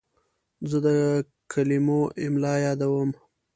زه د کلمو املا یادوم.